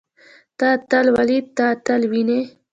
تۀ اتل وليدلې. ته اتل وينې؟